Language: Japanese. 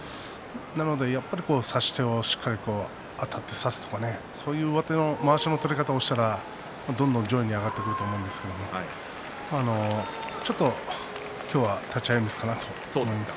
やっぱり差し手をしっかりあたって差すとかねそういうまわしの取り方をしたらば、どんどん上に上がってくると思うんですがちょっと今日は、立ち合いミスかなと思います。